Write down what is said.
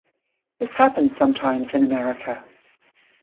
This happens sometimes in America.